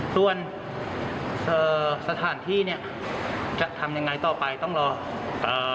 ส่วนสถานที่จะทำยังไงต้องทางกรรมกรรมนี้